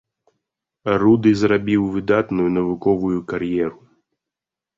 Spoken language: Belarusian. Руды зрабіў выдатную навуковую кар'еру.